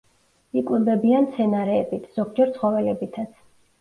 იკვებებიან მცენარეებით, ზოგჯერ ცხოველებითაც.